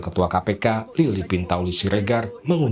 kalau pemilihan panselnya tidak benar